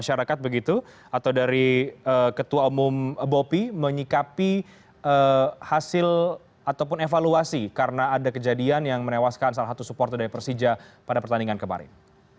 masyarakat begitu atau dari ketua umum bopi menyikapi hasil ataupun evaluasi karena ada kejadian yang menewaskan salah satu supporter dari persija pada pertandingan kemarin